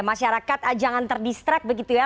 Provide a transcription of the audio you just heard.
masyarakat jangan terdistrak begitu ya